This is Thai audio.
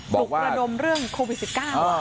กระดมเรื่องโควิด๑๙